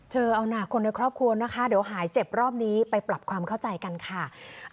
เอาหน้าคนในครอบครัวนะคะเดี๋ยวหายเจ็บรอบนี้ไปปรับความเข้าใจกันค่ะ